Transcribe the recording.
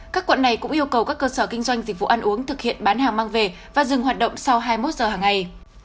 các quận này cũng yêu cầu các cơ sở kinh doanh dịch vụ ăn uống thực hiện bán hàng mang về và dừng hoạt động sau hai mươi một giờ hàng ngày